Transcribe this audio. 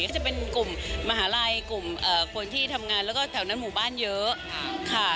ก็จะเป็นกลุ่มมหาลัยกลุ่มคนที่ทำงานแล้วก็แถวนั้นหมู่บ้านเยอะค่ะ